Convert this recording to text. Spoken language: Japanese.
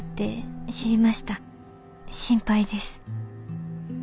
心配です。